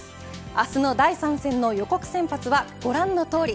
明日の第３戦の予告先発はご覧のとおり。